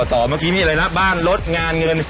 ต่อเมื่อกี้มีอะไรนะบ้านรถงานเงิน